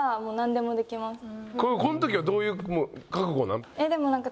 このときはどういう覚悟なの？